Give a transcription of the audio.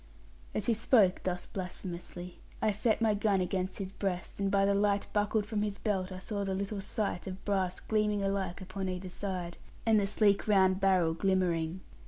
As he spoke thus blasphemously, I set my gun against his breast; and by the light buckled from his belt, I saw the little 'sight' of brass gleaming alike upon either side, and the sleek round barrel glimmering.